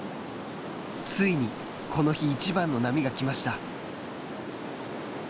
ついにこの日一番の波が来ました。